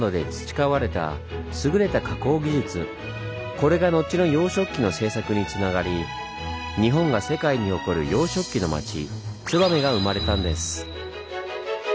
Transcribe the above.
これが後の洋食器の製作につながり日本が世界に誇る洋食器の町燕が生まれたんです。